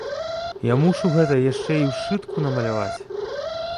Я мушу гэта яшчэ і ў сшытку намаляваць.